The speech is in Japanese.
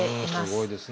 すごいですね。